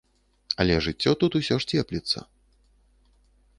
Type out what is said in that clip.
Але жыццё тут усё ж цепліцца.